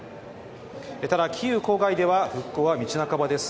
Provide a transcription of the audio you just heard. ただ、キーウ郊外では復興は道半ばです。